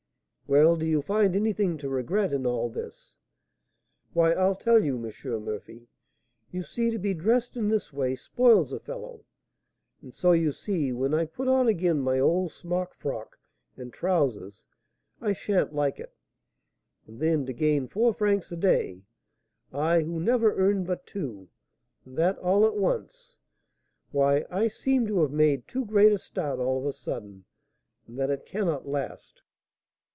"Well, do you find anything to regret in all this?" "Why, I'll tell you, M. Murphy. You see, to be dressed in this way spoils a fellow; and so, you see, when I put on again my old smock frock and trousers, I sha'n't like it. And then, to gain four francs a day, I, who never earned but two, and that all at once! why, I seem to have made too great a start all of a sudden, and that it cannot last.